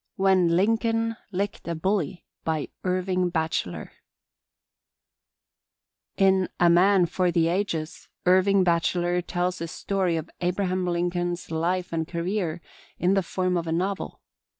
When Lincoln Licked a Bully By Irving Bacheller _In "A Man For the Ages" Irving Bacheller tells the story of Abraham Lincoln's life and career in the form of a novel.